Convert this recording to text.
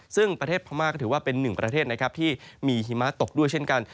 ซึ่งประเทศพม่าก็ถือว่าเป็นหนึ่งประเทศนะครับที่มีหิมะตกด้วยเช่นกัน